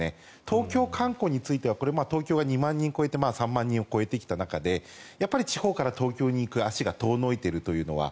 東京観光についてはこれは東京は２万人を超えて３万人を超えてきた中で地方から東京に行く足が遠のいているというのは。